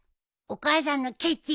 お母さんのケチ。